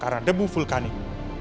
karena debu vulkanik